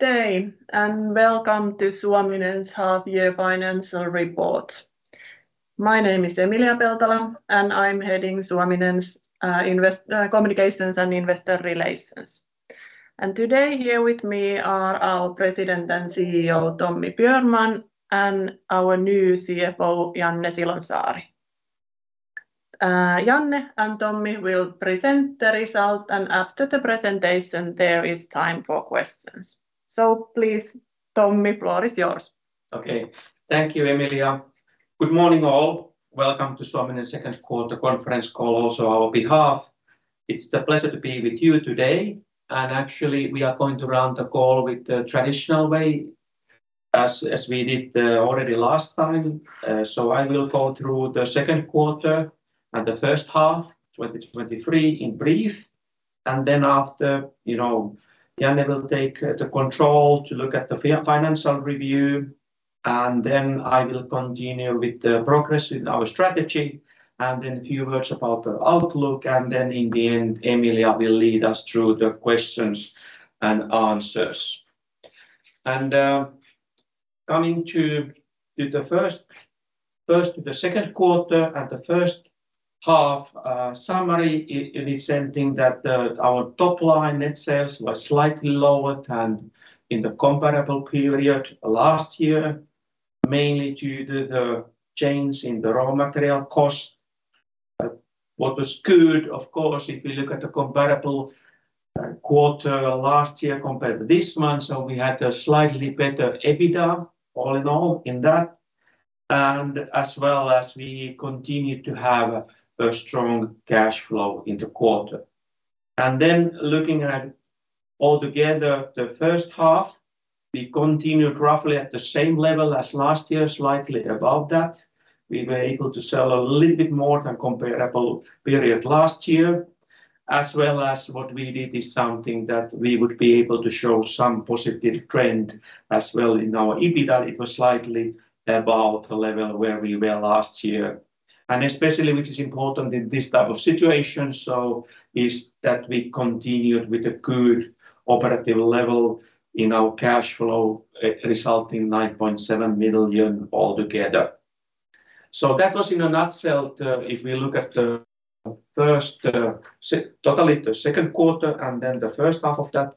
Good day, and welcome to Suominen's half-year financial report. My name is Emilia Peltola, and I'm heading Suominen's communications and investor relations. Today, here with me are our President and CEO, Tommi Björnman, and our new CFO, Janne Silonsaari. Janne and Tommi will present the result, after the presentation, there is time for questions. Please, Tommi, floor is yours. Okay. Thank you, Emilia. Good morning, all. Welcome to Suominen's second quarter conference call, also on our behalf. It's the pleasure to be with you today, actually, we are going to run the call with the traditional way, as, as we did already last time. I will go through the second quarter and the first half, 2023, in brief. Then after, you know, Janne will take the control to look at the financial review, and then I will continue with the progress with our strategy, and then a few words about the outlook. Then in the end, Emilia will lead us through the questions and answers. Coming to the first... first, to the second quarter and the first half, summary is, is something that, our top line net sales was slightly lower than in the comparable period last year, mainly due to the change in the raw material cost. What was good, of course, if you look at the comparable, quarter last year compared to this month, so we had a slightly better EBITDA, all in all, in that. As well as we continued to have a strong cash flow in the quarter. Looking at altogether the first half, we continued roughly at the same level as last year, slightly above that. We were able to sell a little bit more than comparable period last year, as well as what we did is something that we would be able to show some positive trend as well in our EBITDA. It was slightly above the level where we were last year. Especially which is important in this type of situation, so, is that we continued with a good operative level in our cash flow, resulting 9.7 million altogether. That was in a nutshell, if we look at the first, totally the second quarter and then the first half of that.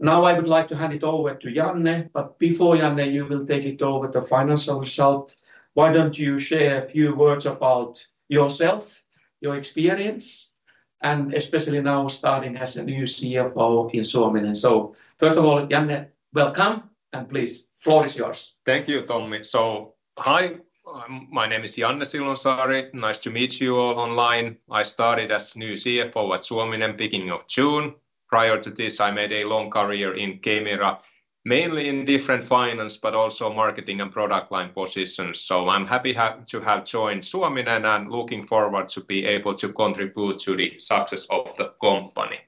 Now, I would like to hand it over to Janne, before Janne, you will take it over, the financial result, why don't you share a few words about yourself, your experience, and especially now starting as a new CFO in Suominen? First of all, Janne, welcome, and please, floor is yours. Thank you, Tommi. Hi, my name is Janne Silonsaari. Nice to meet you all online. I started as new CFO at Suominen, beginning of June. Prior to this, I made a long career in Kemira, mainly in different finance, but also marketing and product line positions. I'm happy to have joined Suominen and looking forward to be able to contribute to the success of the company.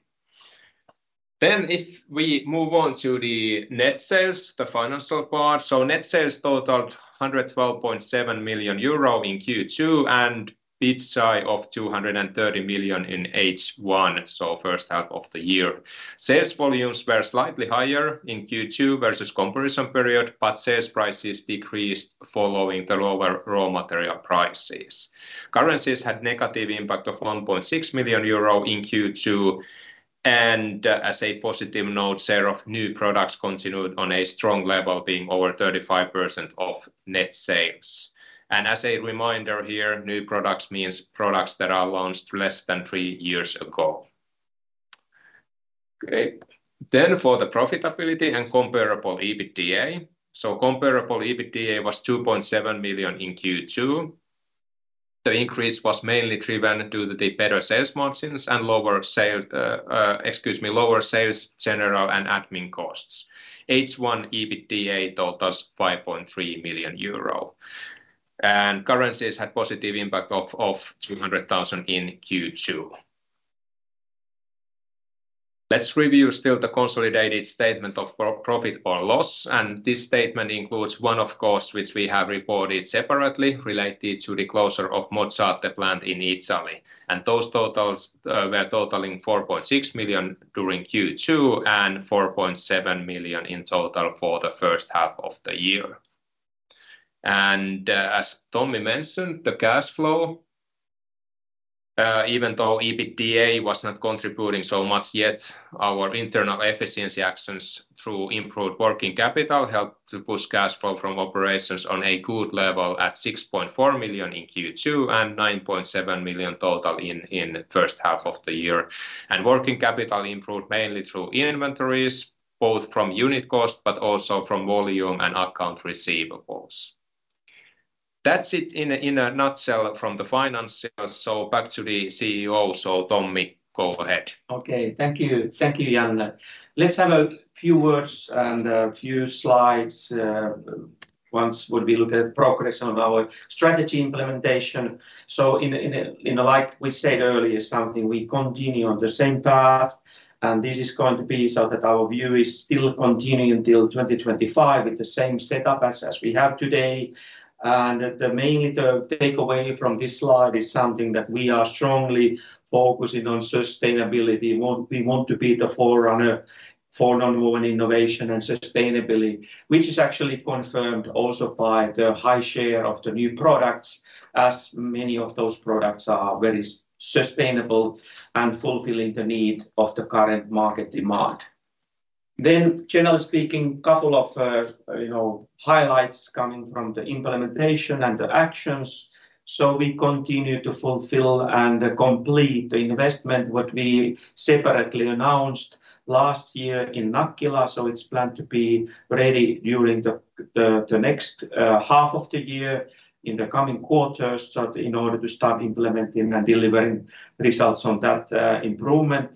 If we move on to the net sales, the financial part, net sales totaled 112.7 million euro in Q2, and EBITDA of 2.3 million in H1, first half of the year. Sales volumes were slightly higher in Q2 versus comparison period, but sales prices decreased following the lower raw material prices. Currencies had negative impact of 1.6 million euro in Q2. As a positive note, share of new products continued on a strong level, being over 35% of net sales. As a reminder here, new products means products that are launched less than three years ago. Great. For the profitability and comparable EBITDA, comparable EBITDA was 2.7 million in Q2. The increase was mainly driven due to the better sales margins and lower sales, excuse me, lower sales, general, and admin costs. H1 EBITDA totals 5.3 million euro. Currencies had positive impact of 200,000 in Q2. Let's review still the consolidated statement of profit or loss. This statement includes one-off costs, which we have reported separately, related to the closure of Mozzate plant in Italy. Those totals were totaling 4.6 million during Q2, and 4.7 million in total for the first half of the year. As Tommi mentioned, the cash flow, even though EBITDA was not contributing so much yet, our internal efficiency actions through improved working capital helped to push cash flow from operations on a good level at 6.4 million in Q2 and 9.7 million total in the first half of the year. Working capital improved mainly through inventories, both from unit cost but also from volume and account receivables. That's it in a nutshell from the finances, back to the CEO. Tommi, go ahead. Okay. Thank you. Thank you, Janne. Let's have a few words and a few slides. Once when we look at progress on our strategy implementation. In, in a, in a like we said earlier, something we continue on the same path, and this is going to be so that our view is still continuing till 2025 with the same setup as, as we have today. The main, the takeaway from this slide is something that we are strongly focusing on sustainability. We want, we want to be the forerunner for nonwoven innovation and sustainability, which is actually confirmed also by the high share of the new products, as many of those products are very sustainable and fulfilling the need of the current market demand. Generally speaking, couple of, you know, highlights coming from the implementation and the actions. We continue to fulfill and complete the investment what we separately announced last year in Nakkila. It's planned to be ready during the next half of the year in the coming quarters, so in order to start implementing and delivering results on that improvement.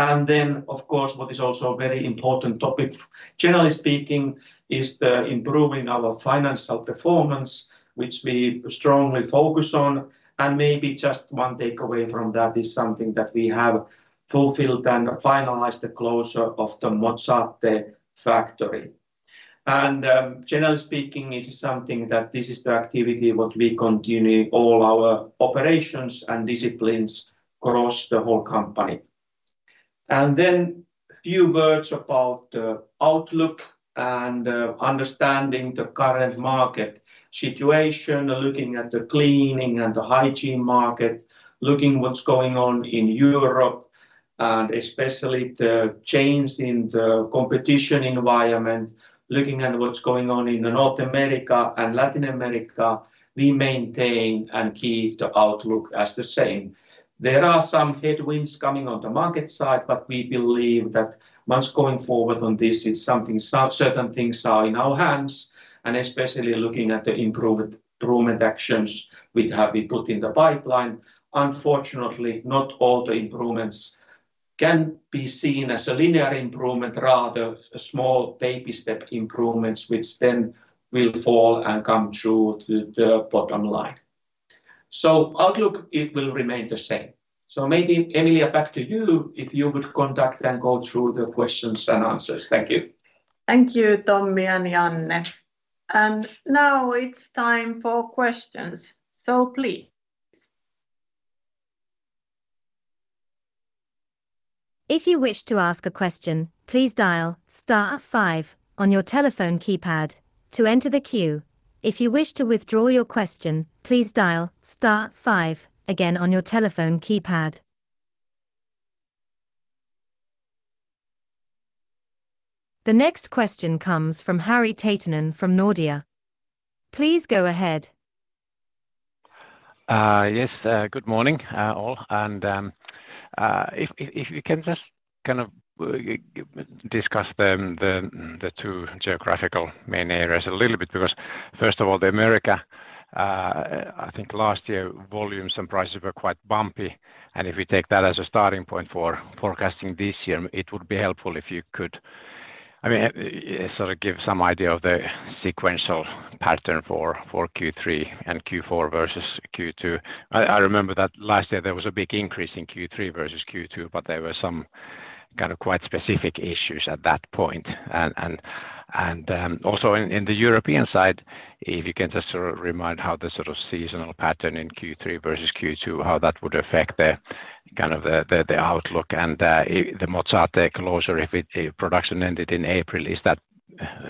Of course, what is also a very important topic, generally speaking, is the improving our financial performance, which we strongly focus on. Maybe just one takeaway from that is something that we have fulfilled and finalized the closure of the Mozzate factory. Generally speaking, it's something that this is the activity what we continue all our operations and disciplines across the whole company. Then a few words about the outlook and understanding the current market situation, looking at the cleaning and the hygiene market, looking what's going on in Europe, and especially the change in the competition environment, looking at what's going on in the North America and Latin America, we maintain and keep the outlook as the same. There are some headwinds coming on the market side, but we believe that what's going forward on this is something certain things are in our hands, and especially looking at the improvement, improvement actions we have been put in the pipeline. Unfortunately, not all the improvements can be seen as a linear improvement, rather a small baby step improvements, which then will fall and come through to the bottom line. Outlook, it will remain the same. Maybe, Emilia, back to you, if you would conduct and go through the questions and answers. Thank you. Thank you, Tomm and Janne. Now it's time for questions, please. If you wish to ask a question, please dial star five on your telephone keypad to enter the queue. If you wish to withdraw your question, please dial star five again on your telephone keypad. The next question comes from Harri Taittonen from Nordea. Please go ahead. Yes, good morning, all. If, if, if you can just kind of discuss the, the, the two geographical main areas a little bit. First of all, the Americas, I think last year, volumes and prices were quite bumpy, and if we take that as a starting point for forecasting this year, it would be helpful if you could... I mean, sort of give some idea of the sequential pattern for, for Q3 and Q4 versus Q2. I, I remember that last year there was a big increase in Q3 versus Q2, but there were some kind of quite specific issues at that point. Also in, in the European side, if you can just sort of remind how the sort of seasonal pattern in Q3 versus Q2, how that would affect the, kind of the, the, the outlook and, the Mozzate closure, if it, if production ended in April, is that,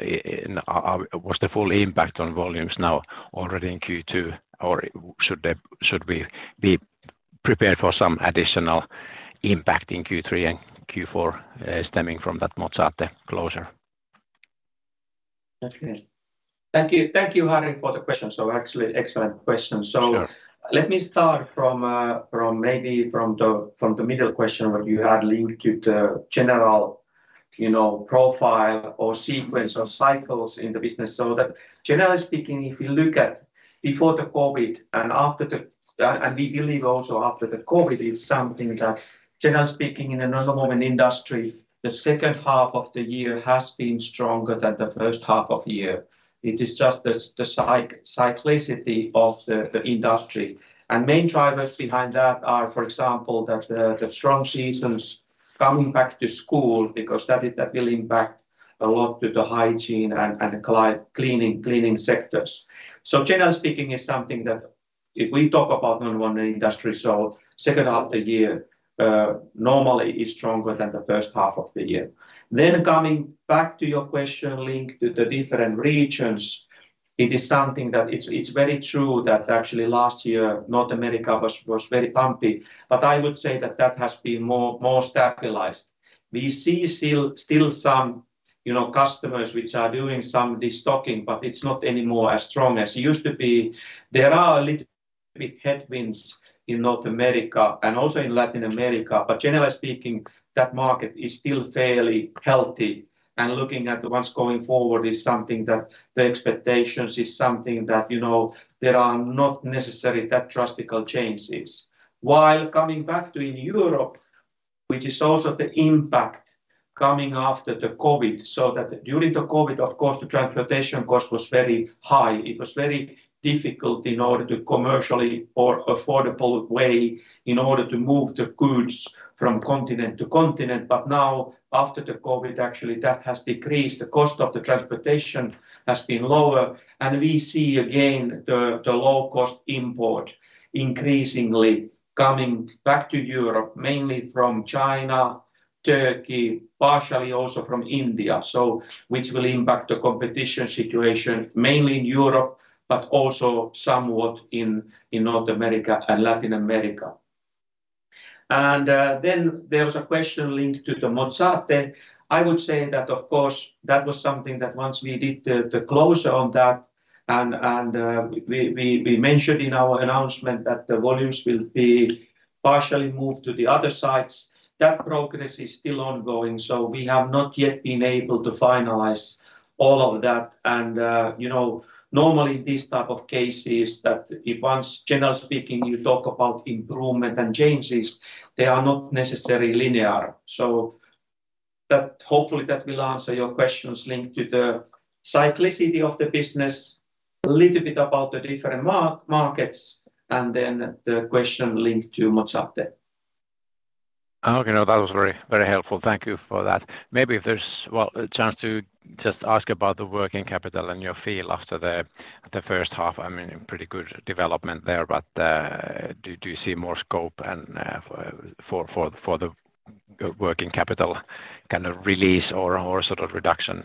in. Was the full impact on volumes now already in Q2, or should we be prepared for some additional impact in Q3 and Q4, stemming from that Mozzate closure? That's great. Thank you. Thank you, Harri, for the question. Actually, excellent question. Sure. Let me start from, from maybe from the, from the middle question, what you had linked to the general, you know, profile or sequence or cycles in the business. That generally speaking, if you look at before the COVID and after the, and we believe also after the COVID is something that, generally speaking, in another moment, industry, the second half of the year has been stronger than the first half of the year. It is just the cyclicity of the industry. And main drivers behind that are, for example, that the strong seasons coming back to school because that is- that will impact a lot to the hygiene and, and cleaning, cleaning sectors. Generally speaking, it's something that if we talk about number 1 industry, second half of the year, normally is stronger than the first half of the year. Coming back to your question linked to the different regions, it is something that it's, it's very true that actually last year, North America was, was very bumpy, but I would say that that has been more, more stabilized. We see still, still some, you know, customers which are doing some destocking, but it's not anymore as strong as it used to be. There are a little bit headwinds in North America and also in Latin America, but generally speaking, that market is still fairly healthy. Looking at what's going forward is something that the expectations is something that, you know, there are not necessarily that drastic changes. While coming back to in Europe, which is also the impact coming after the COVID, so that during the COVID, of course, the transportation cost was very high. It was very difficult in order to commercially or affordable way in order to move the goods from continent to continent. Now, after the COVID, actually, that has decreased. The cost of the transportation has been lower, and we see again the, the low-cost import increasingly coming back to Europe, mainly from China, Turkey, partially also from India, so which will impact the competition situation mainly in Europe, but also somewhat in, in North America and Latin America. Then there was a question linked to the Mozzate. I would say that, of course, that was something that once we did the close on that and we mentioned in our announcement that the volumes will be partially moved to the other sites. That progress is still ongoing, so we have not yet been able to finalize all of that. You know, normally these type of cases, that if once, general speaking, you talk about improvement and changes, they are not necessarily linear. Hopefully, that will answer your questions linked to the cyclicity of the business, a little bit about the different markets, and then the question linked to Mozzate. Okay, now that was very, very helpful. Thank you for that. Maybe Well, a chance to just ask about the working capital and your feel after the, the first half? I mean, pretty good development there, but do, do you see more scope and for, for, for the working capital kind of release or, or sort of reduction?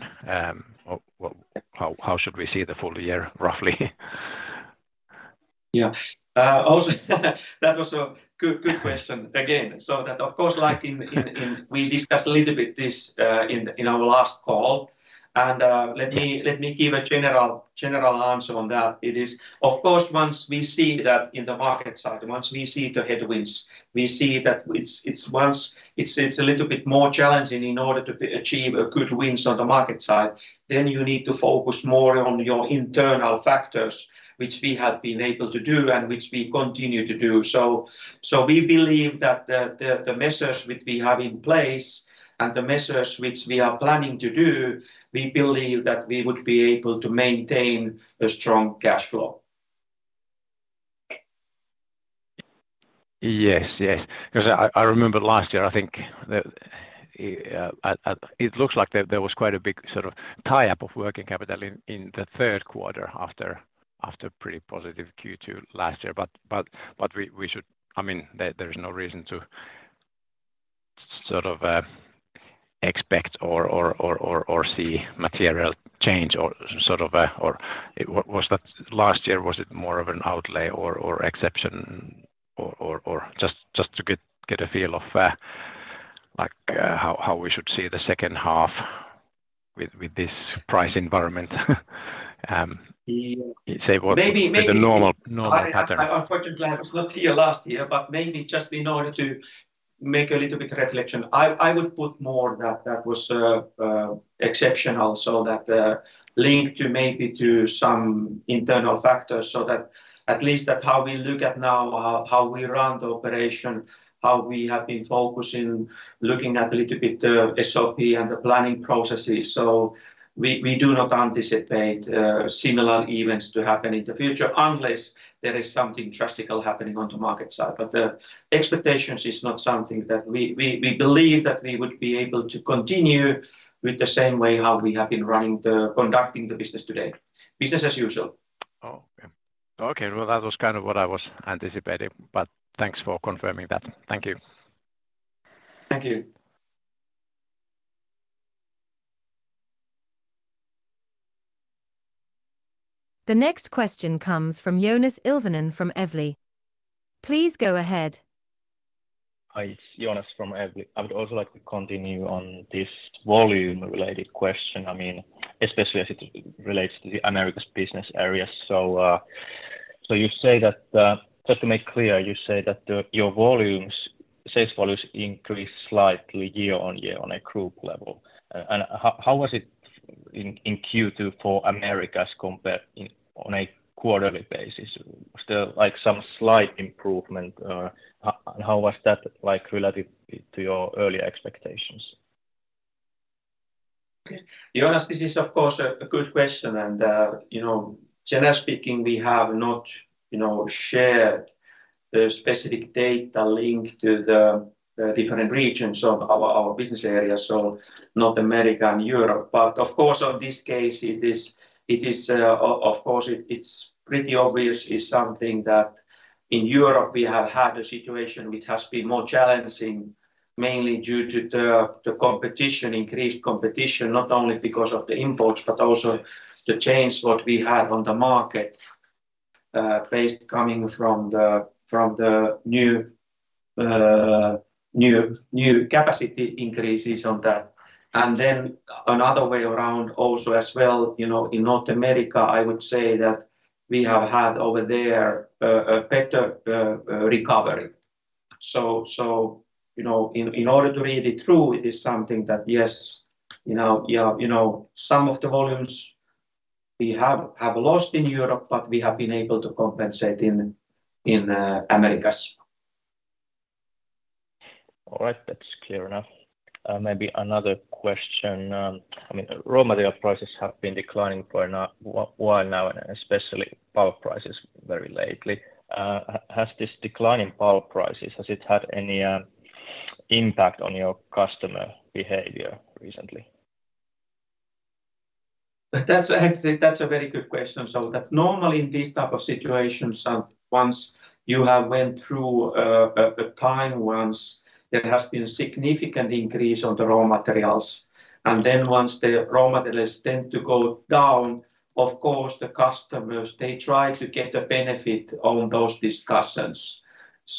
Or well, how, how should we see the full year, roughly? Yeah. Also, that of course, like we discussed a little bit this in, in our last call, and let me, let me give a general, general answer on that. It is, of course, once we see that in the market side, once we see the headwinds, we see that it's, it's a little bit more challenging in order to achieve a good wins on the market side, then you need to focus more on your internal factors, which we have been able to do and which we continue to do. We believe that the measures which we have in place and the measures which we are planning to do, we believe that we would be able to maintain a strong cash flow. Yes, yes. 'Cause I, I remember last year, I think that it looks like there, there was quite a big sort of tie-up of working capital in, in the third quarter after, after pretty positive Q2 last year. I mean, there's no reason to sort of expect or, or, or, or, or see material change or sort of, or... Was that last year, was it more of an outlay or, or exception or, or, or just, just to get, get a feel of like how, how we should see the second half with, with this price environment? Say what- Maybe. The normal, normal pattern. Unfortunately, I was not here last year, but maybe just in order to make a little bit reflection, I, I would put more that that was exceptional, so that linked to maybe to some internal factors. That at least that's how we look at now, how we run the operation, how we have been focusing, looking at a little bit the SOP and the planning processes. We, we do not anticipate similar events to happen in the future, unless there is something drastic happening on the market side. The expectations is not something that we, we, we believe that we would be able to continue with the same way how we have been running the conducting the business today. Business as usual. Oh, okay. Okay, well, that was kind of what I was anticipating, but thanks for confirming that. Thank you. Thank you. The next question comes from Joonas Ilvonen from Evli. Please go ahead. Hi, it's Joonas from Evli. I would also like to continue on this volume-related question. I mean, especially as it relates to the Americas business area. So, so you say that, just to make clear, you say that the, your volumes, sales volumes increased slightly year on year on a group level. How, how was it in, in Q2 for Americas compared in, on a quarterly basis? Was there, like, some slight improvement, or how was that like relative to your earlier expectations? Okay. Joonas, this is of course, a, a good question, and, you know, generally speaking, we have not, you know, shared the specific data linked to the, the different regions of our, our business areas, so North America and Europe. Of course, on this case, it is, it is, of course, it, it's pretty obvious it's something that in Europe we have had a situation which has been more challenging, mainly due to the, the competition, increased competition, not only because of the imports but also the change what we had on the market, based coming from the, from the new, new, new capacity increases on that. Then another way around also as well, you know, in North America, I would say that we have had over there, a better, recovery. You know, in order to read it through, it is something that, yes, you know, yeah, you know, some of the volumes we have lost in Europe, but we have been able to compensate in Americas. All right. That's clear enough. Maybe another question. I mean, raw material prices have been declining for now, while now, and especially pulp prices very lately. Has this decline in pulp prices, has it had any impact on your customer behavior recently? That's actually, that's a very good question. That normally in these type of situations, once you have went through a time once, there has been a significant increase on the raw materials, and then once the raw materials tend to go down, of course, the customers, they try to get the benefit on those discussions.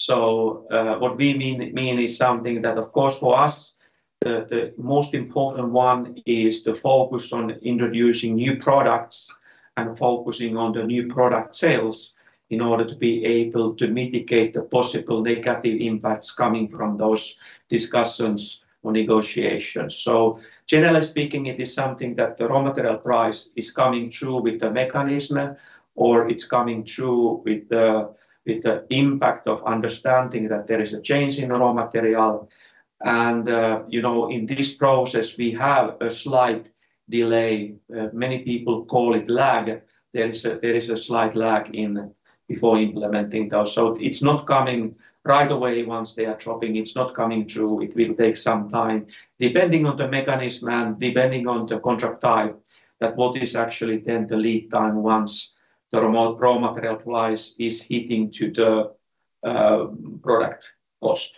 What we mean is something that, of course, for us, the most important one is the focus on introducing new products and focusing on the new product sales in order to be able to mitigate the possible negative impacts coming from those discussions or negotiations. Generally speaking, it is something that the raw material price is coming through with the mechanism, or it's coming through with the impact of understanding that there is a change in the raw material. You know, in this process, we have a slight delay. Many people call it lag. There is a, there is a slight lag in before implementing those. It's not coming right away once they are dropping. It's not coming through. It will take some time, depending on the mechanism and depending on the contract type, that what is actually then the lead time once the raw, raw material price is hitting to the product cost.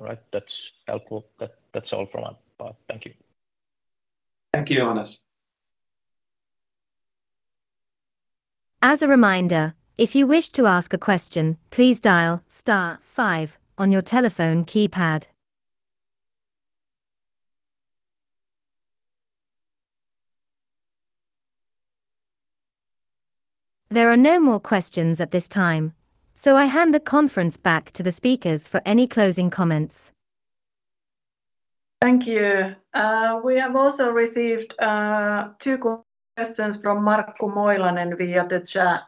All right. That's helpful. That's all from us. Thank you. Thank you, Joonas. As a reminder, if you wish to ask a question, please dial star five on your telephone keypad. There are no more questions at this time, so I hand the conference back to the speakers for any closing comments. Thank you. We have also received two questions from Mark Moilanen via the chat.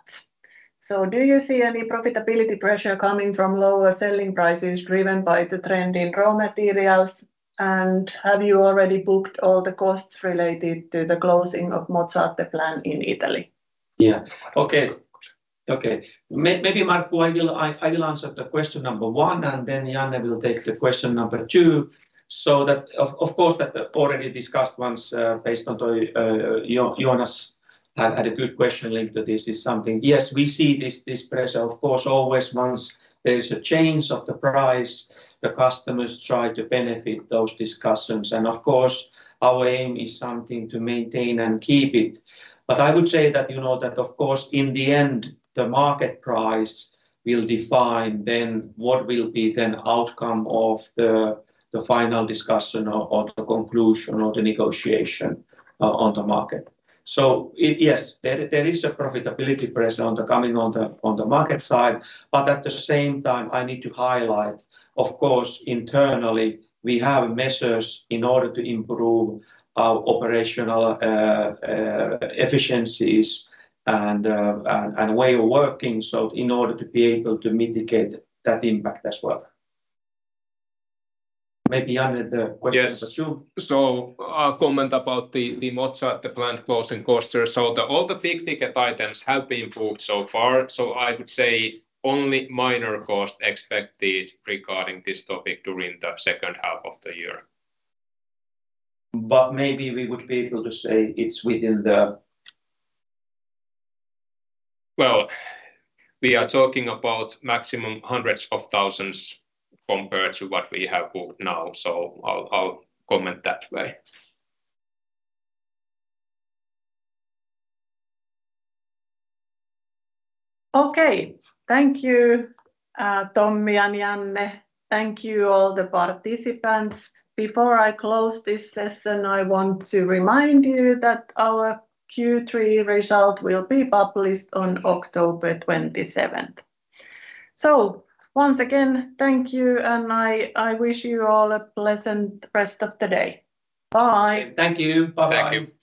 Do you see any profitability pressure coming from lower selling prices driven by the trend in raw materials? Have you already booked all the costs related to the closing of Mozzate plant in Italy? Yeah. Okay. Okay. Maybe, Mark, I will answer the question 1, then Janne will take the question 2. That of course, that already discussed once, based on the, you know, Joonas had a good question linked to this is something. Yes, we see this, this pressure. Of course, always once there's a change of the price, the customers try to benefit those discussions. Of course, our aim is something to maintain and keep it. I would say that, you know, that of course, in the end, the market price will define then what will be then outcome of the, the final discussion or, or the conclusion or the negotiation on the market. Yes, there, there is a profitability pressure on the coming on the, on the market side. At the same time, I need to highlight, of course, internally, we have measures in order to improve our operational efficiencies and, and way of working. In order to be able to mitigate that impact as well. Maybe Janne, the question is yours. Yes. I'll comment about the, the Mozzate plant closing costs. The all the big-ticket items have been improved so far. I would say only minor cost expected regarding this topic during the second half of the year. maybe we would be able to say it's within the- Well, we are talking about maximum hundreds of thousands compared to what we have now. I'll, I'll comment that way. Okay. Thank you, Tommy and Janne. Thank you, all the participants. Before I close this session, I want to remind you that our Q3 result will be published on October 27th. Once again, thank you, and I, I wish you all a pleasant rest of the day. Bye. Thank you. Bye-bye. Thank you.